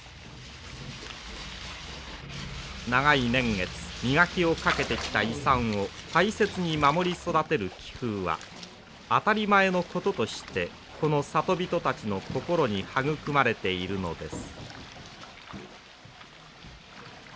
長い年月磨きをかけてきた遺産を大切に守り育てる気風は当たり前のこととしてこの里人たちの心に育まれているのです。